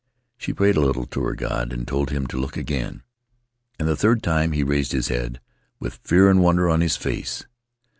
She prayed a little to her god and told him to look again, and the third time he raised his head, with fear and wonder on his face.